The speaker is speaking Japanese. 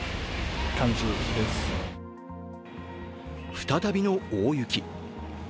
再びの大雪。